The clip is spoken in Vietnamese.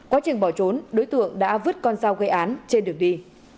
quá trình bỏ trốn đối tượng đã vứt con dao gây án trên đường đi